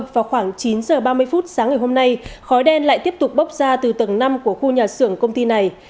vào khoảng chín h ba mươi phút sáng ngày hôm nay khói đen lại tiếp tục bốc ra từ tầng năm của khu nhà xưởng công ty này